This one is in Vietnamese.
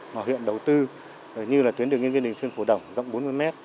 mà huyện đầu tư như là tuyến đường yên viên đình xuyên phù động rộng bốn mươi m